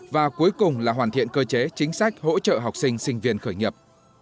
và cuối cùng là hoàn thiện cơ chế chính sách hỗ trợ học sinh sinh viên khởi nghiệp